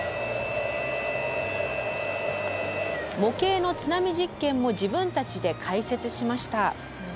模型の津波実験も自分たちで解説しました。